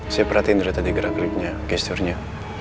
saya perhatiin dari tadi gerak klipnya gesturnya